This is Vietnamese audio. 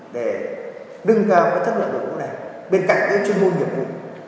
để nâng cao các chất lượng đội ngũ này bên cạnh những chuyên môn nhiệm vụ